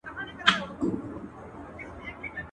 ويل موري ستا تر ژبي دي قربان سم.